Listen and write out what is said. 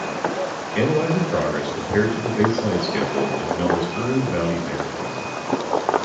Analyzing progress compared to the baseline schedule is known as earned value management.